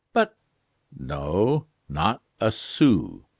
"But " "No not a sou.